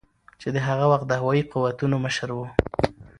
چې د هغه وخت د هوایي قوتونو مشر ؤ